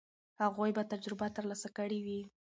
هغوی به تجربه ترلاسه کړې وي.